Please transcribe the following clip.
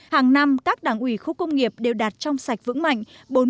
hàng năm các đảng ủy khu công nghiệp đều đạt trong sạch vững mạnh